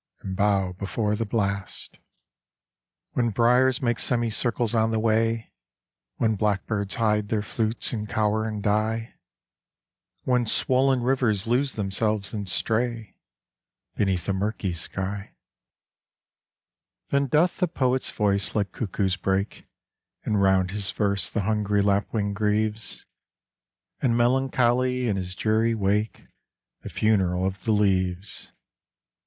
And bow before the blast; When briars make semicircles on the way ; When blackbirds hide their flutes and cower and die; When swollen rivers lose themselves and stray Beneath a murky sky ; BOUND TO THE MAST 31 Then doth the poet's voice like cuckoo's break, And round his verse the hungry lapwing grieves. And melancholy in his dreary wake The funeral of the leaves.